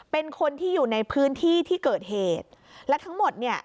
เป็นคนที่อยู่ในพื้นที่ที่เกิดเหตุและทั้งหมดเนี่ย